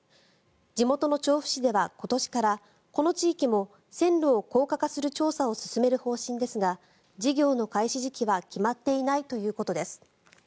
地元の調布市では今年からこの地域も線路を高架化する調査を進める方針ですが事業の開始時期は決まっていないということです。